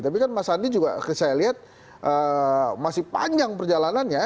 tapi kan mas andi juga saya lihat masih panjang perjalanannya